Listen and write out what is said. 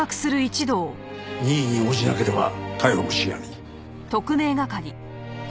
任意に応じなければ逮捕も視野に。